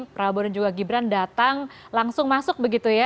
prabowo dan juga gibran datang langsung masuk begitu ya